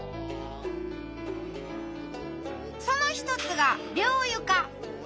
その一つが「両床」！